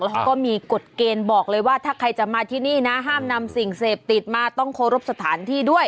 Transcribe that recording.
เขาก็มีกฎเกณฑ์บอกเลยว่าถ้าใครจะมาที่นี่นะห้ามนำสิ่งเสพติดมาต้องเคารพสถานที่ด้วย